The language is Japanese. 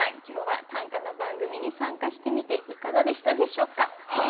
今日は短歌の番組に参加してみていかがでしたでしょうか？